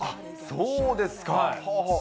そうですか。